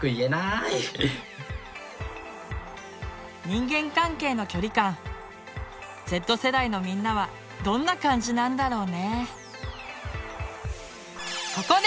人間関係の距離感Ｚ世代のみんなはどんな感じなんだろうね。